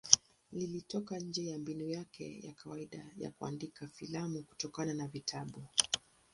Ilitoka nje ya mbinu yake ya kawaida ya kuandika filamu kutokana na vitabu.